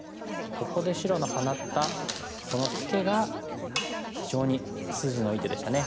ここで白の放ったこのツケが非常に筋のいい手でしたね。